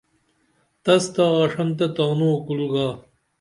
تس تہ آڜنتہ تانو کُل گا